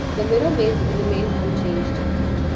The Mirror Maze remained unchanged.